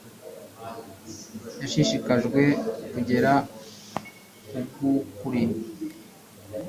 Yashishikarijwe kugera kubwukuri